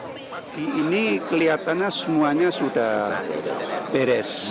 pagi ini kelihatannya semuanya sudah beres